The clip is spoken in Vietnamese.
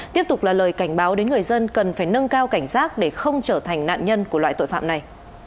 tiếp tục là lời cảnh báo đến người dân cần phải nâng cao cảnh giác để không trở thành nạn nhân của loại tội phạm này